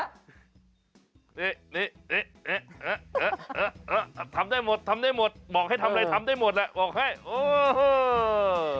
นี่ทำได้หมดทำได้หมดบอกให้ทำอะไรทำได้หมดแหละบอกให้เออ